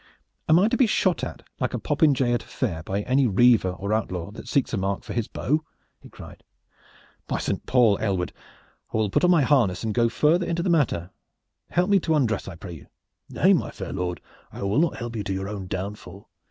"Am I to be shot at like a popinjay at a fair, by any reaver or outlaw that seeks a mark for his bow?" he cried. "By Saint Paul! Aylward, I will put on my harness and go further into the matter. Help me to untruss, I pray you!" "Nay, my fair lord, I will not help you to your own downfall.